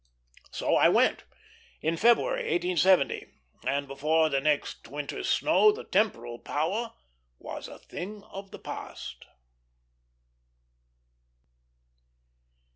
So I went, in February, 1870; and before the next winter's snow the temporal power was a thing of the past.